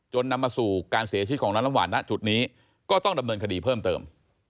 นำมาสู่การเสียชีวิตของน้องน้ำหวานณจุดนี้ก็ต้องดำเนินคดีเพิ่มเติม